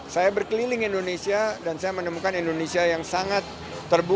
saya berkeliling indonesia dan saya menemukan indonesia yang sangat terbuka